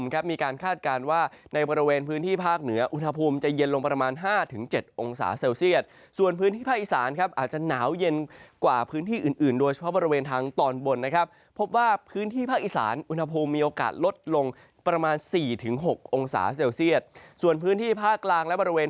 ความหนาวเย็นที่จะมา